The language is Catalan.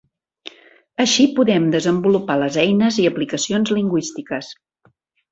Així podem desenvolupar les eines i aplicacions lingüístiques.